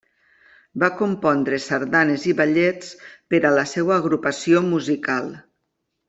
Va compondre sardanes i ballets per a la seva agrupació musical.